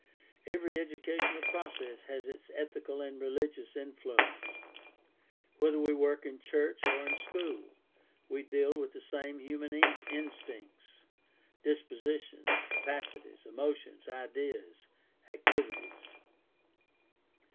Every educational process has its ethical and religious influence. Whether we work in church or in school, we deal with the same human instincts, dispositions, capacities, emotions, ideas, activities.